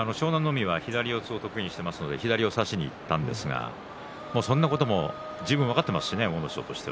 海は左四つを得意にしてますので左を差しにいったんですがそんなことも十分分かっていますしね阿武咲として。